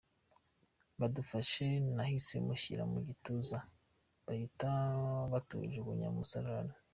Badufashe nahise mushyira mu gituza bahita batujugunya mu musarane.